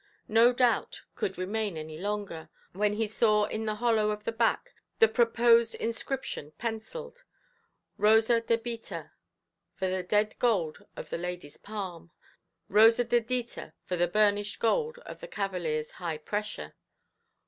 No doubt could remain any longer, when he saw in the hollow of the back the proposed inscription pencilled, "Rosa debita", for the dead gold of the ladyʼs palm, "Rosa dedita" for the burnished gold of the cavalierʼs high pressure.